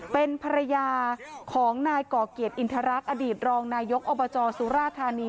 เป็นภรรยาของนายก่อเกียรติอินทรรักษ์อดีตรองนายกอบจสุราธานี